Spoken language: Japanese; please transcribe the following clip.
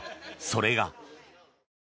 それが。